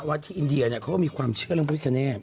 วัดที่อินเดียเขาก็มีความเชื่อเรื่องพระพิการเนธ